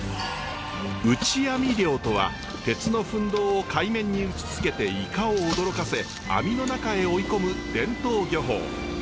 打ち網漁とは鉄の分銅を海面に打ちつけてイカを驚かせ網の中へ追い込む伝統漁法。